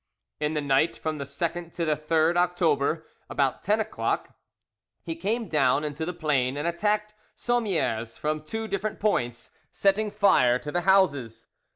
In the night from the 2nd to the 3rd October, about ten o'clock, he came down into the plain and attacked Sommieres from two different points, setting fire to the houses.